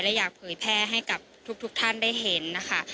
และอยากเผยแพร่ให้กับทุกท่านได้เห็นนะคะ